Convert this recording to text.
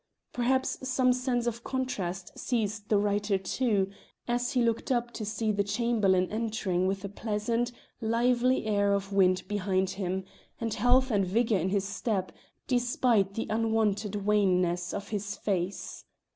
Perhaps some sense of contrast seized the writer, too, as he looked up to see the Chamberlain entering with a pleasant, lively air of wind behind him, and health and vigour in his step, despite the unwonted wanness of his face.